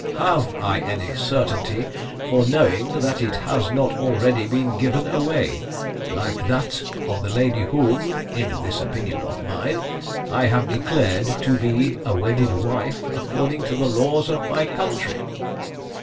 Have I any certainty for knowing that it has not already been given away, like that of the lady whom, in this opinion of mine, I have declared to be a wedded wife according to the laws of my country?